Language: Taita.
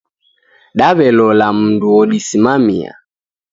Daw'elola mundu odisimamia.